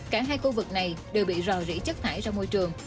cả hai khu vực này đều bị rò rỉ chất thải ra môi trường